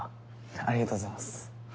あリがとうございます。